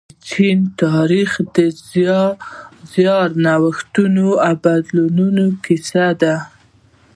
د چین تاریخ د زیار، نوښت او بدلون کیسه ده.